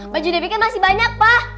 baju debbie kan masih banyak pa